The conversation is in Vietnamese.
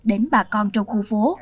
đến bà con trong khu phố